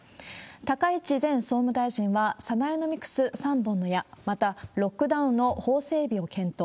高市前総務大臣は、サナエノミクス３本の矢、またロックダウンの法整備を検討。